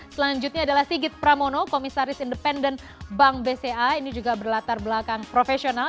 selanjutnya adalah sigit pramono komisaris independen bank bca ini juga berlatar belakang profesional